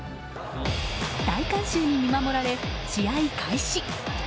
大観衆に見守られ、試合開始。